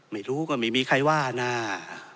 ไม่รู้ก็ไม่มีใครว่านะ